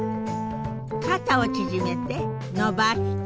肩を縮めて伸ばして。